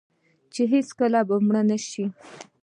چې هیڅکله به مړ نشي.